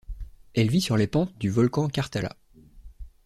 Elle vit sur les pentes du volcan Karthala.